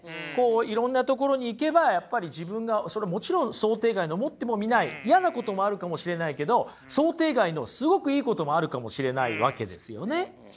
いろんな所に行けばやっぱり自分がそれもちろん想定外に思ってもみない嫌なこともあるかもしれないけど想定外のすごくいいこともあるかもしれないわけですよね。